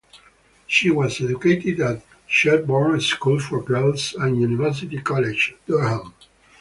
She was educated at Sherborne School for Girls and University College, Durham.